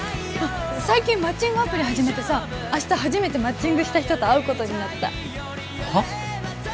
最近マッチングアプリ始めてさ明日初めてマッチングした人と会うことになったはっ？